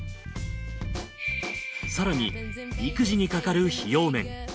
更に育児にかかる費用面。